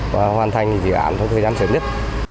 và hoàn thành dự án trong thời gian sớm nhất